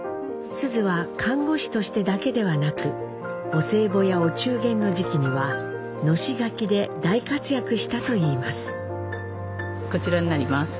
須壽は看護師としてだけではなくお歳暮やお中元の時期にはのし書きで大活躍したといいます。